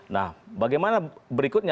nah bagaimana berikutnya